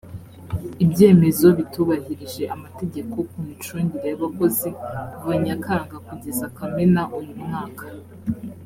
ibyemezo bitubahirije amategeko ku micungire y’abakozi kuva nyakanga kugeza kamena uyu mwaka